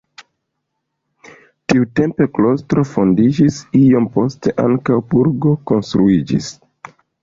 Tiutempe klostro fondiĝis, iom poste ankaŭ burgo konstruiĝis.